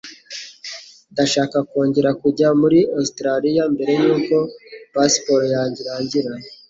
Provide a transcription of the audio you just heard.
Ndashaka kongera kujya muri Ositaraliya mbere yuko pasiporo yanjye irangira.